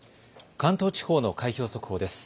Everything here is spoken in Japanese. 関東地方の開票速報です。